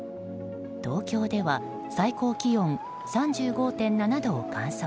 東京では最高気温３５．７度を観測。